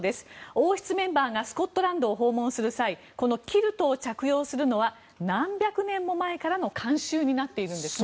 王室メンバーがスコットランドを訪問する際このキルトを着用するのは何百年も前からの慣習になっているんですね。